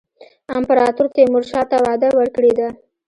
امپراطور تیمورشاه ته وعده ورکړې ده.